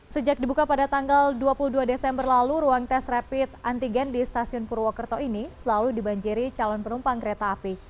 sejak dibuka pada tanggal dua puluh dua desember lalu ruang tes rapid antigen di stasiun purwokerto ini selalu dibanjiri calon penumpang kereta api